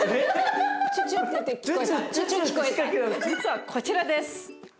実はこちらです。